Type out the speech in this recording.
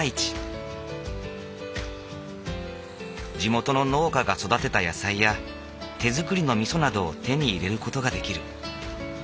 地元の農家が育てた野菜や手づくりのみそなどを手に入れる事ができる。